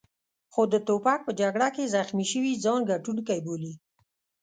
خو د توپک په جګړه کې زخمي شوي ځان ګټونکی بولي.